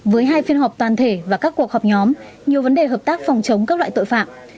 với hai phiên họp toàn thể và các cuộc họp nhóm nhiều vấn đề hợp tác phòng chống các loại tội phạm